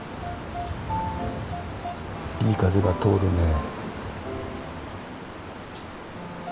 いい風が通るねえ。